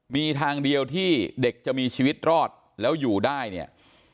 มีทางเดียวที่เด็กจะมีชีวิตรอดแล้วอยู่ได้เนี่ย